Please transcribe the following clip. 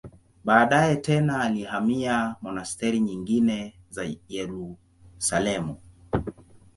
Baadaye tena alihamia monasteri nyingine za Yerusalemu.